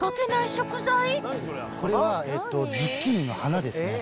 これはズッキーニの花ですね。